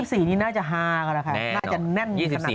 งั้น๒๔นี้น่าจะฮากันนะคะน่าจะแน่นขนาดนี้